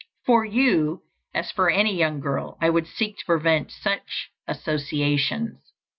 For you, as for any young girl, I would seek to prevent such associations.